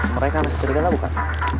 mereka masih sed escuela bukan